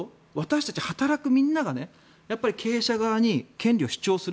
たち働くみんなが経営者側に権利を主張する。